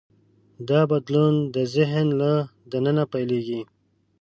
دا بدلون د ذهن له دننه پیلېږي.